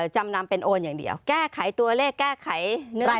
จำนำเป็นโอนอย่างเดียวแก้ไขตัวเลขแก้ไขเนื้ออะไร